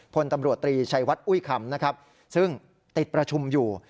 พลตำรวจตรีชัยวัดอุ้ยคำนะครับซึ่งติดประชุมอยู่